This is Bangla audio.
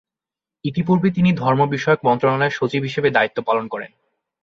ইতিপূর্বে তিনি ধর্ম বিষয়ক মন্ত্রণালয়ের সচিব হিসেবে দায়িত্ব পালন করেন।